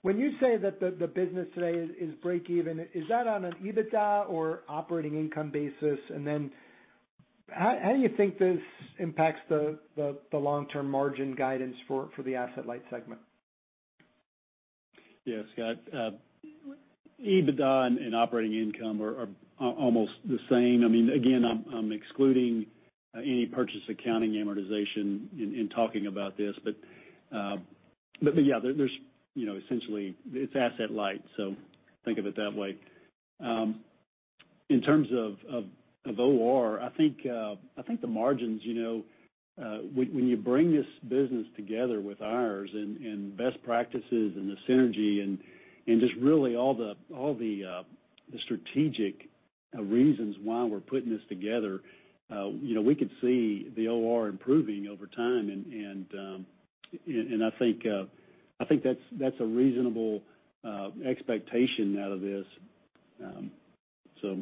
When you say that the business today is break even, is that on an EBITDA or operating income basis? And then how do you think this impacts the long-term margin guidance for the Asset-Light segment? Yeah, Scott, EBITDA and operating income are almost the same. I mean, again, I'm excluding any purchase accounting amortization in talking about this. But, yeah, there's, you know, essentially, it's asset-light, so think of it that way. In terms of OR, I think the margins, you know, when you bring this business together with ours and best practices and the synergy and just really all the strategic reasons why we're putting this together, you know, we could see the OR improving over time. And I think that's a reasonable expectation out of this. So.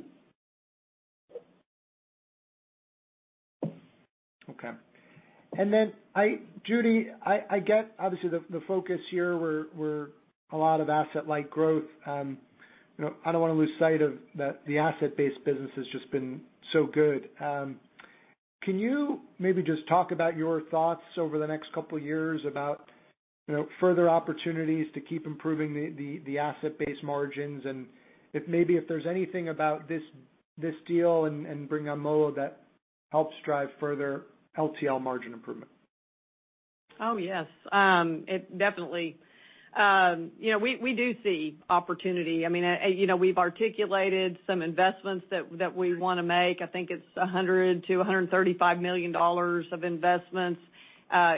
Okay. And then—Judy, I get obviously the focus here where we're a lot of Asset-Light growth. You know, I don't want to lose sight of that the Asset-Based business has just been so good. Can you maybe just talk about your thoughts over the next couple of years about, you know, further opportunities to keep improving the Asset-Based margins? And if maybe there's anything about this deal and bringing on MoLo that helps drive further LTL margin improvement? Oh, yes. It definitely, you know, we do see opportunity. I mean, you know, we've articulated some investments that we want to make. I think it's $100-$135 million of investments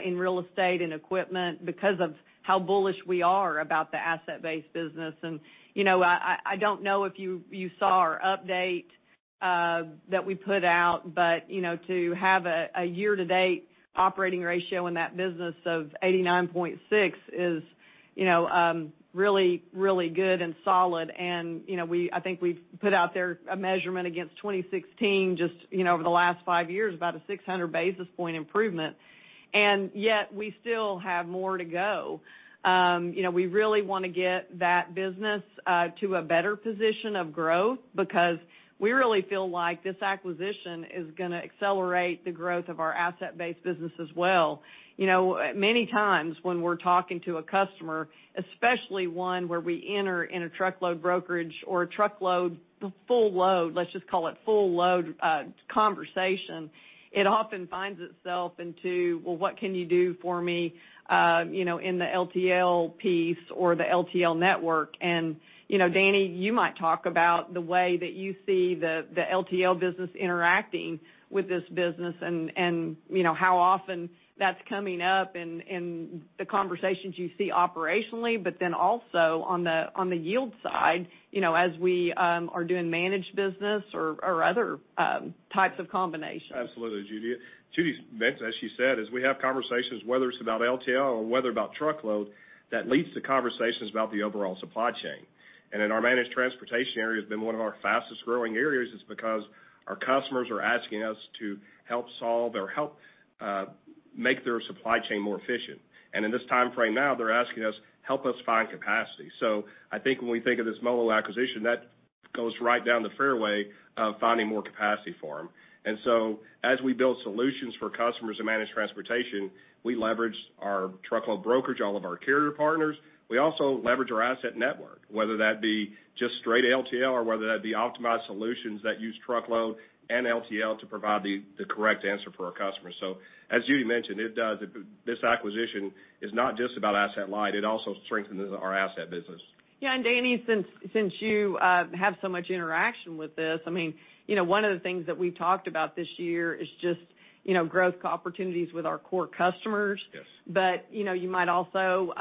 in real estate and equipment because of how bullish we are about the asset-based business. And, you know, I don't know if you saw our update that we put out, but, you know, to have a year-to-date operating ratio in that business of 89.6 is, you know, really, really good and solid. And, you know, I think we've put out there a measurement against 2016, just, you know, over the last five years, about a 600 basis point improvement, and yet we still have more to go. You know, we really want to get that business to a better position of growth because we really feel like this acquisition is going to accelerate the growth of our asset-based business as well. You know, many times when we're talking to a customer, especially one where we enter in a truckload brokerage or a truckload, the full load, let's just call it full load, conversation, it often finds itself into, "Well, what can you do for me, you know, in the LTL piece or the LTL network?" And, you know, Danny, you might talk about the way that you see the LTL business interacting with this business and, you know, how often that's coming up in the conversations you see operationally, but then also on the yield side, you know, as we are doing managed business or other types of combinations. Absolutely, Judy. Judy mentioned, as she said, as we have conversations, whether it's about LTL or whether about truckload, that leads to conversations about the overall supply chain. In our managed transportation area has been one of our fastest-growing areas is because our customers are asking us to help solve or help make their supply chain more efficient. In this timeframe now, they're asking us, "Help us find capacity." So I think when we think of this MoLo acquisition, that goes right down the fairway of finding more capacity for them. As we build solutions for customers who manage transportation, we leverage our truckload brokerage, all of our carrier partners. We also leverage our asset network, whether that be just straight LTL or whether that be optimized solutions that use truckload and LTL to provide the correct answer for our customers. So as Judy mentioned, it does... This acquisition is not just about Asset-Light, it also strengthens our asset business. Yeah, and Danny, since you have so much interaction with this, I mean, you know, one of the things that we've talked about this year is just, you know, growth opportunities with our core customers. Yes. You know, you might also,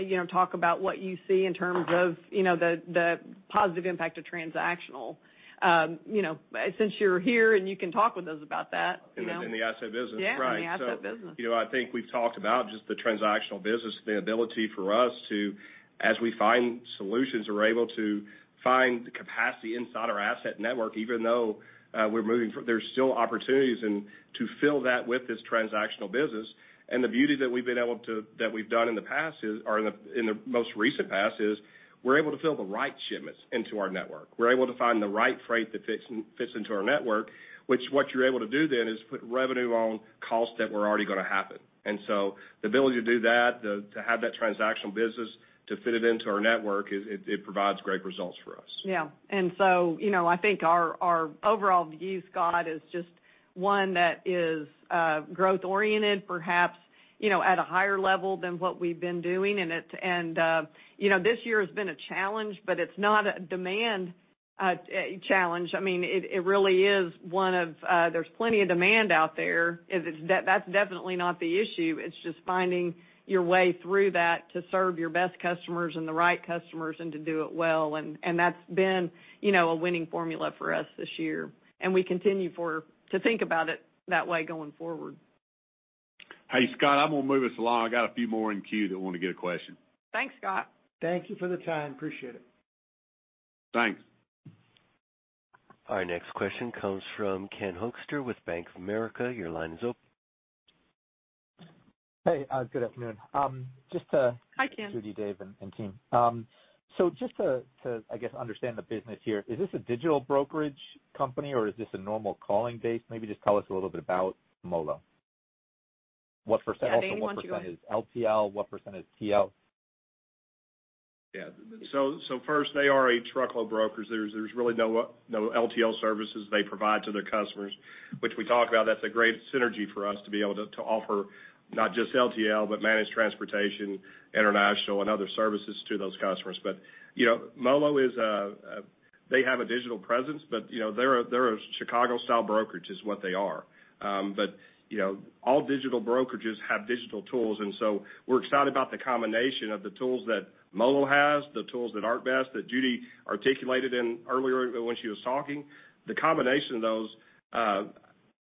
you know, talk about what you see in terms of, you know, the positive impact of transactional. You know, since you're here, and you can talk with us about that, you know? In the asset business. Yeah. Right. In the asset business. You know, I think we've talked about just the transactional business, the ability for us to, as we find solutions, we're able to find capacity inside our asset network, even though we're moving—there's still opportunities and to fill that with this transactional business. And the beauty that we've been able to—that we've done in the past is, or in the, in the most recent past, is we're able to fill the right shipments into our network. We're able to find the right freight that fits, fits into our network, which what you're able to do then is put revenue on costs that were already going to happen. And so the ability to do that, to, to have that transactional business, to fit it into our network, is it, it provides great results for us. Yeah. And so, you know, I think our overall view, Scott, is just one that is growth oriented, perhaps... you know, at a higher level than what we've been doing, and, and, you know, this year has been a challenge, but it's not a demand challenge. I mean, it really is one of, there's plenty of demand out there. It is, that's definitely not the issue, it's just finding your way through that to serve your best customers and the right customers and to do it well. And, and that's been, you know, a winning formula for us this year, and we continue to think about it that way going forward. Hey, Scott, I'm going to move us along. I got a few more in queue that want to get a question. Thanks, Scott. Thank you for the time. Appreciate it. Thanks. Our next question comes from Ken Hoexter with Bank of America. Your line is open. Hey, good afternoon. Just to- Hi, Ken. Judy, Dave, and team. So just to, I guess, understand the business here, is this a digital brokerage company, or is this a normal calling base? Maybe just tell us a little bit about MoLo. What percent- Yeah, eighty-one... what % is LTL, what % is TL? Yeah. So, first, they are truckload brokers. There's really no LTL services they provide to their customers, which we talk about, that's a great synergy for us to be able to offer not just LTL, but managed transportation, international, and other services to those customers. But, you know, MoLo is a, they have a digital presence, but you know, they're a Chicago-style brokerage, is what they are. But, you know, all digital brokerages have digital tools, and so we're excited about the combination of the tools that MoLo has, the tools that ArcBest, that Judy articulated earlier when she was talking. The combination of those,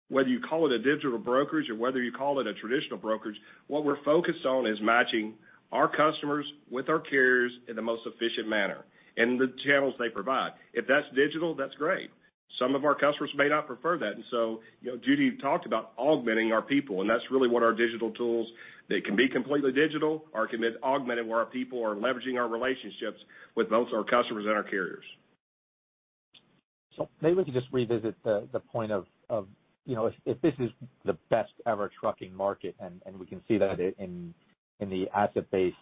whether you call it a digital brokerage or whether you call it a traditional brokerage, what we're focused on is matching our customers with our carriers in the most efficient manner in the channels they provide. If that's digital, that's great. Some of our customers may not prefer that, and so, you know, Judy talked about augmenting our people, and that's really what our digital tools, they can be completely digital or can be augmented, where our people are leveraging our relationships with both our customers and our carriers. So maybe we can just revisit the point of, you know, if this is the best-ever trucking market, and we can see that in the asset-based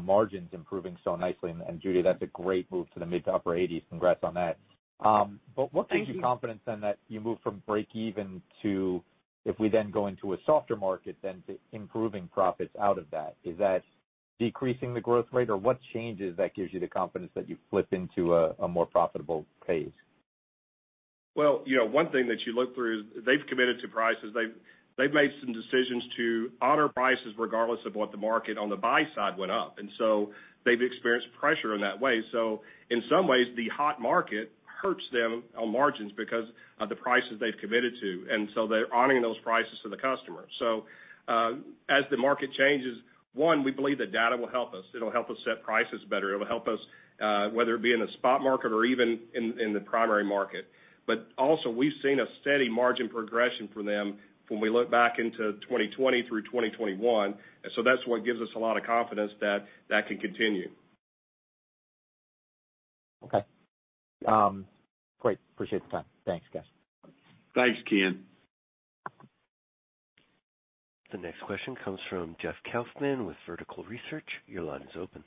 margins improving so nicely, and Judy, that's a great move to the mid to upper eighties. Congrats on that. Thank you. But what gives you confidence then, that you move from breakeven to if we then go into a softer market, then to improving profits out of that? Is that decreasing the growth rate, or what changes that gives you the confidence that you flip into a more profitable phase? Well, you know, one thing that you look through, they've committed to prices. They've made some decisions to honor prices regardless of what the market on the buy side went up, and so they've experienced pressure in that way. So in some ways, the hot market hurts them on margins because of the prices they've committed to, and so they're honoring those prices to the customer. So, as the market changes, we believe that data will help us. It'll help us set prices better. It'll help us, whether it be in the spot market or even in the primary market. But also, we've seen a steady margin progression from them when we look back into 2020 through 2021, and so that's what gives us a lot of confidence that that can continue. Okay. Great. Appreciate the time. Thanks, guys. Thanks, Ken. The next question comes from Jeff Kauffman with Vertical Research. Your line is open.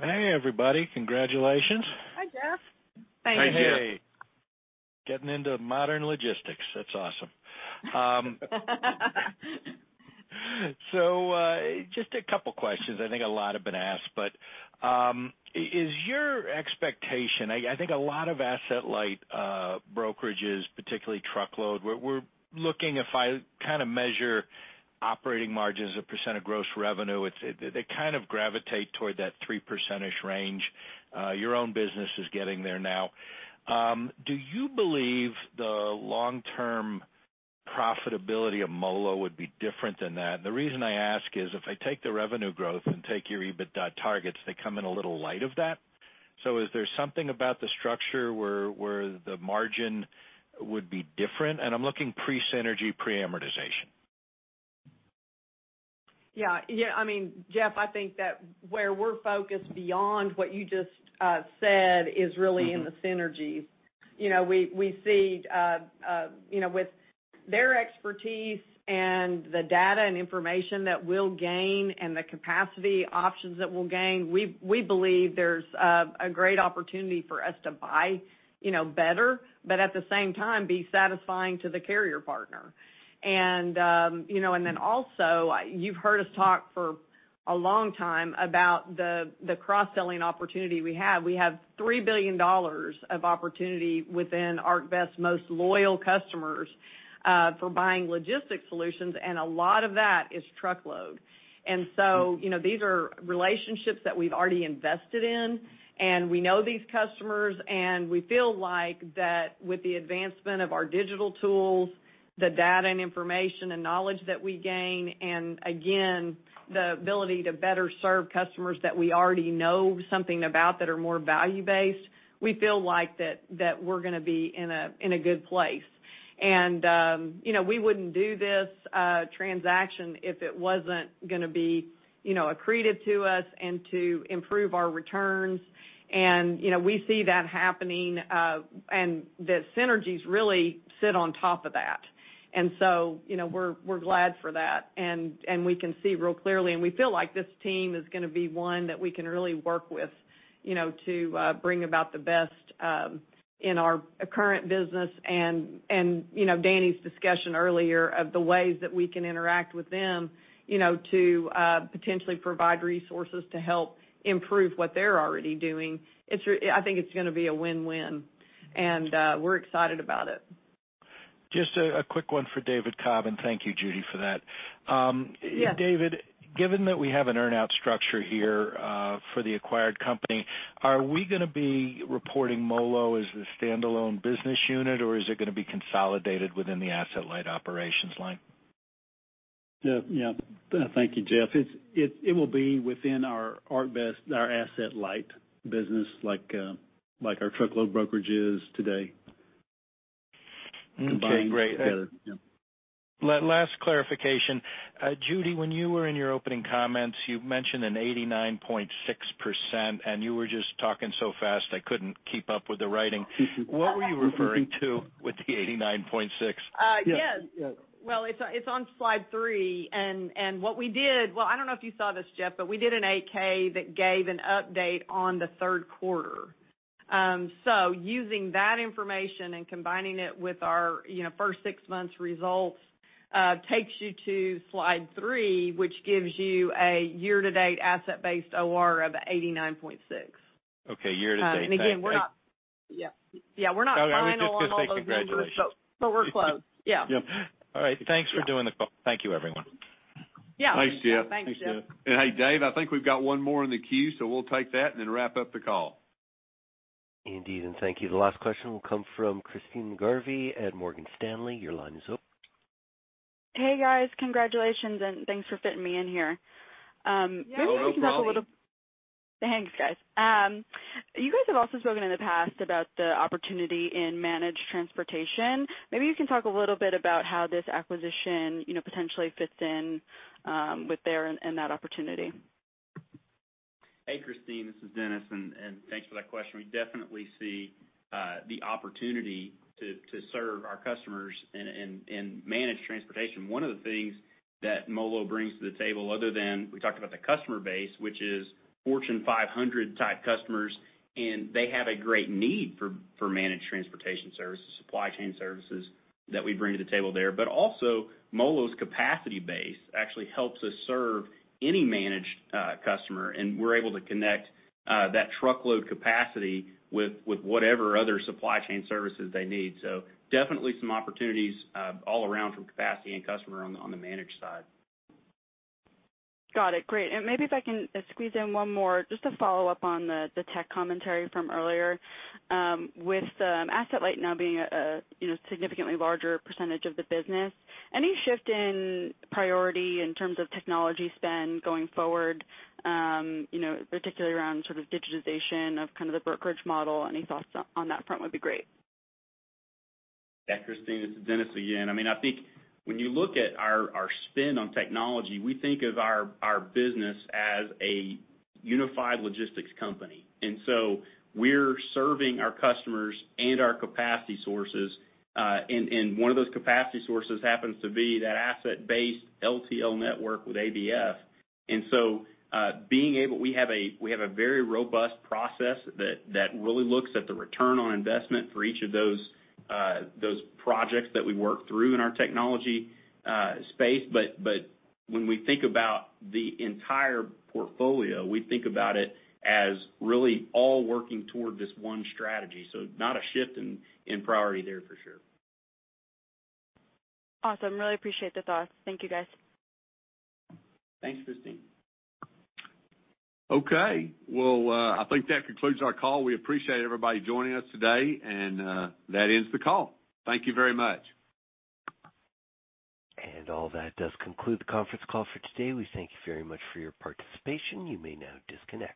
Hey, everybody. Congratulations. Hi, Jeff. Thank you. Hey, getting into Modern Logistics. That's awesome. So, just a couple questions. I think a lot have been asked, but is your expectation? I think a lot of asset-light brokerages, particularly truckload, we're looking if I kind of measure operating margins as a percent of gross revenue, they kind of gravitate toward that 3% range. Your own business is getting there now. Do you believe the long-term profitability of MoLo would be different than that? The reason I ask is, if I take the revenue growth and take your EBITDA targets, they come in a little light of that. So is there something about the structure where the margin would be different? And I'm looking pre-synergy, pre-amortization. Yeah. Yeah. I mean, Jeff, I think that where we're focused beyond what you just said is really in the synergies. You know, we see, you know, with their expertise and the data and information that we'll gain and the capacity options that we'll gain, we believe there's a great opportunity for us to buy, you know, better, but at the same time, be satisfying to the carrier partner. And, you know, and then also, you've heard us talk for a long time about the cross-selling opportunity we have. We have $3 billion of opportunity within ArcBest's most loyal customers for buying logistics solutions, and a lot of that is truckload. And so, you know, these are relationships that we've already invested in, and we know these customers, and we feel like that with the advancement of our digital tools, the data and information and knowledge that we gain, and again, the ability to better serve customers that we already know something about that are more value-based, we feel like that we're going to be in a good place. And, you know, we wouldn't do this transaction if it wasn't going to be, you know, accretive to us and to improve our returns. And, you know, we see that happening, and the synergies really sit on top of that. And so, you know, we're glad for that. We can see real clearly, and we feel like this team is going to be one that we can really work with, you know, to bring about the best in our current business, and you know, Danny's discussion earlier of the ways that we can interact with them, you know, to potentially provide resources to help improve what they're already doing. I think it's going to be a win-win, and we're excited about it.... Just a quick one for David Cobb, and thank you, Judy, for that. Yeah. David, given that we have an earn-out structure here, for the acquired company, are we gonna be reporting MoLo as a standalone business unit, or is it gonna be consolidated within the asset-light operations line? Yeah, yeah. Thank you, Jeff. It will be within our ArcBest asset-light business like our truckload brokerage is today. Okay, great. Combined together. Yeah. Last clarification. Judy, when you were in your opening comments, you mentioned an 89.6%, and you were just talking so fast I couldn't keep up with the writing. What were you referring to with the 89.6%? Uh, yes. Yeah, yeah. Well, it's on slide three, and what we did... Well, I don't know if you saw this, Jeff, but we did an 8-K that gave an update on the third quarter. So using that information and combining it with our, you know, first 6 months results, takes you to slide three, which gives you a year-to-date asset-based OR of 89.6. Okay, year to date. And again, we're not- Thanks. Yeah. Yeah, we're not final on all those numbers- I was just gonna say congratulations. But we're close. Yeah. Yep. All right. Thanks for doing the call. Thank you, everyone. Yeah. Thanks, Jeff. Thanks, Jeff. Hey, Dave, I think we've got one more in the queue, so we'll take that and then wrap up the call. Indeed, and thank you. The last question will come from Ravi Shanker at Morgan Stanley. Your line is open. Hey, guys. Congratulations, and thanks for fitting me in here. Maybe you can talk a little- Yeah, no problem. Thanks, guys. You guys have also spoken in the past about the opportunity in managed transportation. Maybe you can talk a little bit about how this acquisition, you know, potentially fits in with that and that opportunity. Hey, Ravi, this is Dennis, and thanks for that question. We definitely see the opportunity to serve our customers and manage transportation. One of the things that MoLo brings to the table, other than we talked about the customer base, which is Fortune 500-type customers, and they have a great need for managed transportation services, supply chain services that we bring to the table there. But also, MoLo's capacity base actually helps us serve any managed customer, and we're able to connect that truckload capacity with whatever other supply chain services they need. So definitely some opportunities all around from capacity and customer on the managed side. Got it. Great. And maybe if I can squeeze in one more just to follow up on the tech commentary from earlier. With asset-light now being a, you know, significantly larger percentage of the business, any shift in priority in terms of technology spend going forward, you know, particularly around sort of digitization of kind of the brokerage model? Any thoughts on that front would be great. Yeah, Ravi, this is Dennis again. I mean, I think when you look at our spend on technology, we think of our business as a unified logistics company, and so we're serving our customers and our capacity sources, and one of those capacity sources happens to be that asset-based LTL network with ABF. And so, being able... We have a very robust process that really looks at the return on investment for each of those projects that we work through in our technology space. But when we think about the entire portfolio, we think about it as really all working toward this one strategy, so not a shift in priority there for sure. Awesome. Really appreciate the thoughts. Thank you, guys. Thanks, Christine. Okay. Well, I think that concludes our call. We appreciate everybody joining us today, and that ends the call. Thank you very much. All that does conclude the conference call for today. We thank you very much for your participation. You may now disconnect.